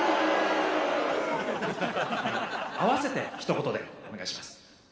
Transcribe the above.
あの合わせてひと言でお願いします。